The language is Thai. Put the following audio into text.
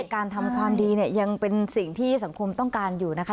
การทำความดีเนี่ยยังเป็นสิ่งที่สังคมต้องการอยู่นะคะ